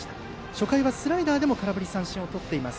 初回はスライダーでも空振り三振をとっています